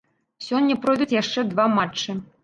Сёння пройдуць яшчэ два матчы.